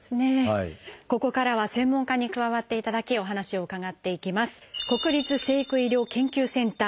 ここからは専門家に加わっていただきお話を伺っていきます。